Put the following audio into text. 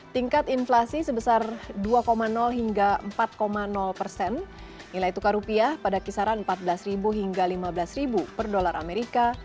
tingkat inflasi sebesar dua hingga empat persen nilai tukar rupiah pada kisaran empat belas hingga lima belas per dolar amerika